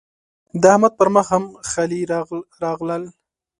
د احمد پر مخ هم خلي راغلل.